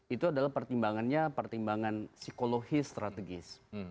itu adalah pertimbangannya pertimbangan psikologis strategis